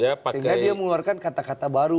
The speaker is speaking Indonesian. sehingga dia mengeluarkan kata kata baru